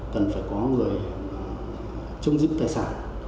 cần phải có người chung giữ tài sản